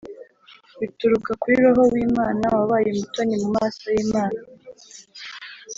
bituruka kuri roho w’imana : wabaye umutoni mu maso y’imana.